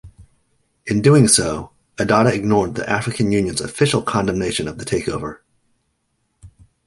In doing so, Adada ignored the African Union's official condemnation of the takeover.